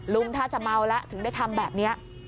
ถ้าจะเมาแล้วถึงได้ทำแบบนี้